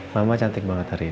mama cantik banget hari ini